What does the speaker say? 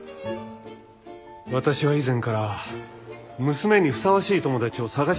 私は以前から娘にふさわしい友達を探していたんです。